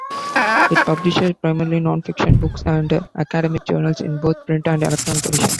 It publishes primarily non-fiction books and academic journals, in both print and electronic editions.